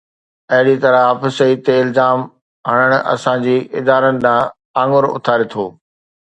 اهڙي طرح حافظ سعيد تي الزام هڻڻ اسان جي ادارن ڏانهن آڱر اُٿاري ٿو.